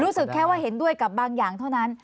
รู้สึกแค่ว่าเห็นด้วยกับบางอย่างเท่านั้น